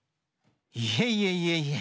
いえいえいえいえ。